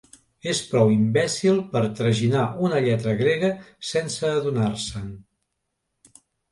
És prou imbècil per traginar una lletra grega sense adonar-se'n.